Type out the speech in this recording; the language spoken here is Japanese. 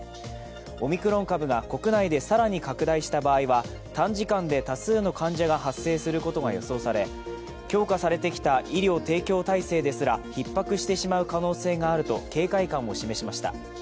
オミクロン株が国内で更に拡大した場合は短時間で多数の患者が発生することが予想され、強化されてきた医療提供体制ですらひっ迫してしまう可能性があると警戒感を示しました。